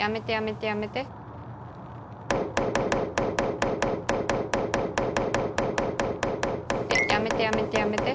やめて、やめて、やめて。